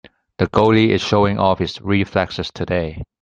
The goalie is showing off his reflexes today.